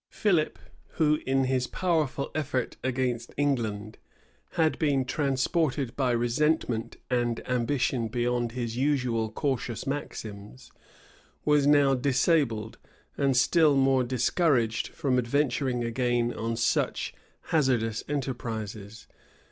Philip, who, in his powerful effort against England, had been transported by resentment and ambition beyond his usual cautious maxims, was now disabled, and still more discouraged, from adventuring again on such hazardous enterprises.